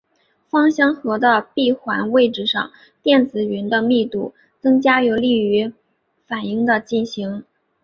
芳香核的闭环位置上电子云的密度增加有利于反应的进行。